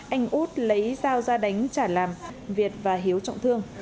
anh út lấy dao ra đánh trả làm việt và hiếu trọng thương